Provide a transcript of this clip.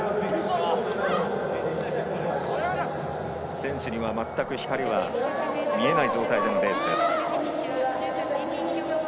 選手には全く光は見えない状態でのレースです。